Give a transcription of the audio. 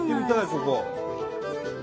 ここ。